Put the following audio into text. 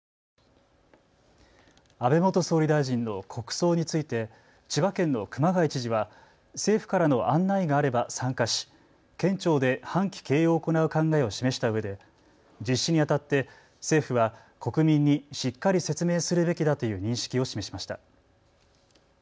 安倍元総理大臣の国葬について千葉県の熊谷知事は政府からの案内があれば参加し、県庁で半旗掲揚を行う考えを示したうえで実施にあたって政府は国民にしっかり説明するべきだという認識を示しました。